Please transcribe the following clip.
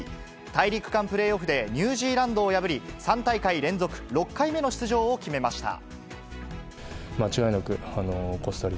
大陸間プレーオフでニュージーランドを破り、３大会連続、６回目の出場を決めました。